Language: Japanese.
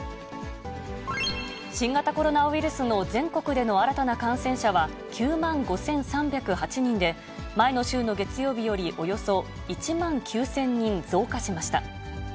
新型コロナウイルスの全国での新たな感染者は、９万５３０８人で、前の週の月曜日よりおよそ１万９０００人増加しました。